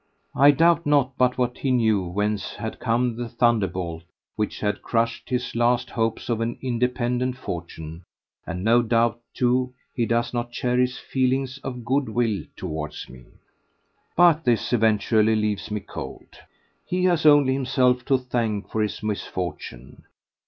I doubt not but what he knew whence had come the thunderbolt which had crushed his last hopes of an independent fortune, and no doubt too he does not cherish feelings of good will towards me. But this eventuality leaves me cold. He has only himself to thank for his misfortune.